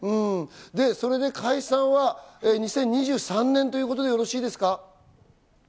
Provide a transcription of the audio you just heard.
それで解散は２３年ということでよろしいですか？